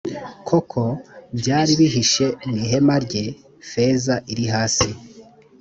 koko byari bihishe mu ihema rye, feza iri hasi.